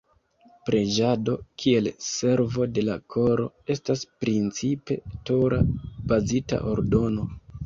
Preĝado —kiel "servo de la koro"— estas principe Tora-bazita ordono.